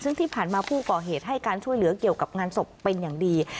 ซึ่งที่ผ่านมาผู้ก่อเหตุให้การช่วยเหลือเกี่ยวกับงานศพเป็นอย่างดี